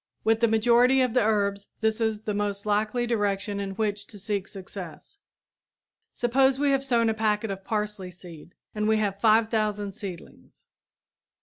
With the majority of the herbs this is the most likely direction in which to seek success. Suppose we have sown a packet of parsley seed and we have five thousand seedlings.